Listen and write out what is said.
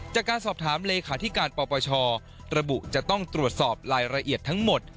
จากการสอบถามเลขาธิการปปชระบุจะต้องตรวจสอบรายละเอียดทั้งหมด